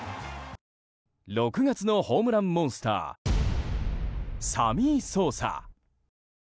６月のホームランモンスターサミー・ソーサ。